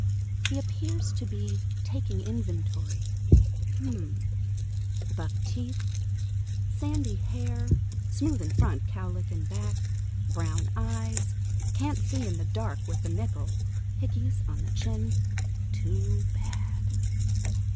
He appears to be taking inventory: "Hmm, buckteeth; sandy hair, smooth in front, cowlick in back; brown eyes, can't see in the dark worth a nickel; hickeys on the chin. Too bad."